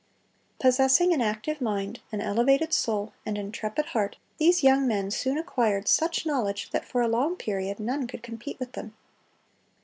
Possessing an active mind, an elevated soul, and intrepid heart, these young men soon acquired such knowledge that for a long period none could compete with them....